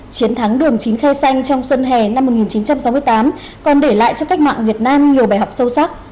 chiến thắng đường chín khe xanh trong xuân hè năm một nghìn chín trăm sáu mươi tám còn để lại cho cách mạng việt nam nhiều bài học sâu sắc